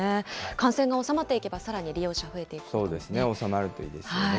感染が収まっていけばさらに利用者増えていくといいですね。